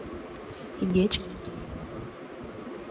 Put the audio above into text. Игече утыр юарла.